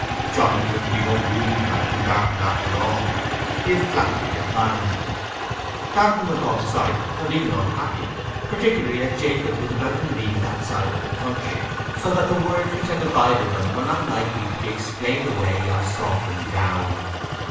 Johns was to be no groomsman to Darton after all. He had flatly declined. Darton went off sorry, and even unhappy, particularly as Japheth was about to leave that side of the county, so that the words which had divided them were not likely to be explained away or softened down.